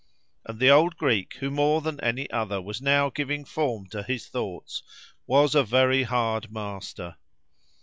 And the old Greek who more than any other was now giving form to his thoughts was a very hard master.